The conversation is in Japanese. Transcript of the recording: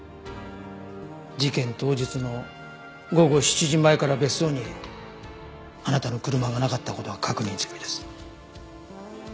事件当日の午後７時前から別荘にあなたの車がなかった事は確認済みです。